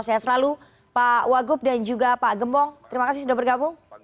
saya selalu pak wagub dan juga pak gembong terima kasih sudah bergabung